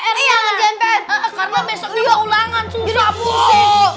karena besok dia mau ulangan susah pusing